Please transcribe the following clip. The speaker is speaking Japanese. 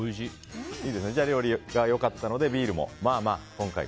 料理が良かったのでビールもまあ。